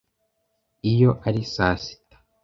Iyo ari saa sita